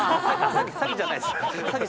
詐欺じゃないです。